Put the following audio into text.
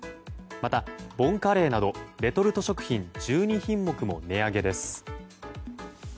また、ボンカレーなどレトルト食品１２品目も値上げです。